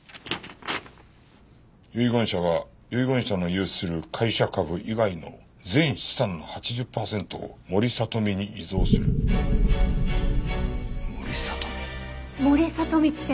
「遺言者は遺言者の有する会社株以外の全資産の８０パーセントを森聡美に遺贈する」森聡美！？森聡美って。